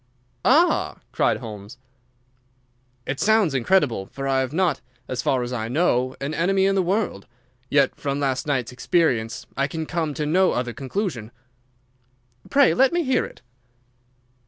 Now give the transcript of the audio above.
"Ah!" cried Holmes. "It sounds incredible, for I have not, as far as I know, an enemy in the world. Yet from last night's experience I can come to no other conclusion." "Pray let me hear it."